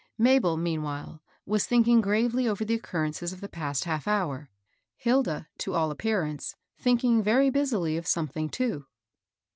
Mabel, meanwhile, was thinking gravely over the occurrences of the past half hour, — Hilda, to all appearance, thinking very busily of something too.